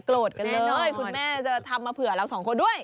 กันเลยคุณแม่จะทำมาเผื่อเราสองคนด้วย